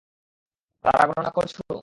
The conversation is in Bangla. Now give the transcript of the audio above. তারা গননা করছো?